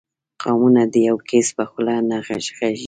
قومونه د یو کس په خوله نه غږېږي.